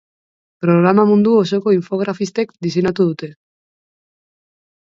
Programa mundu osoko infografistek diseinatu dute.